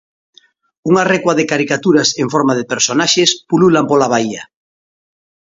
Unha recua de caricaturas en forma de personaxes pululan pola baía.